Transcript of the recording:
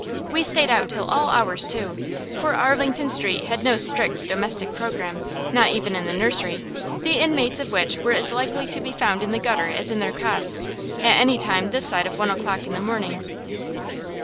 We stayed out till all hours, too; for Arlington Street had no strict domestic programme, not even in the nursery, the inmates of which were as likely to be found in the gutter as in their cots, at any time this side of one o'clock in the morning.